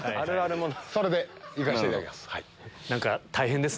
それでいかしていただきます。